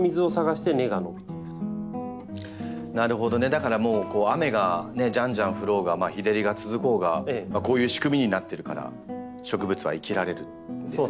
だから雨がじゃんじゃん降ろうが日照りが続こうがこういう仕組みになってるから植物は生きられるんですね。